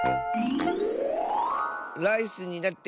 ライスになって